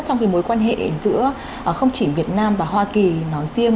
trong mối quan hệ giữa không chỉ việt nam và hoa kỳ nói riêng